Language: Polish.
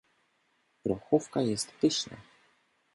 grochówka jest pyszna